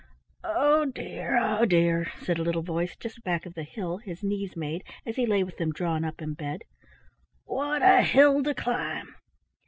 "Oh dear, oh dear!" said a little voice just back of the hill his knees made as he lay with them drawn up in bed; "what a hill to climb!"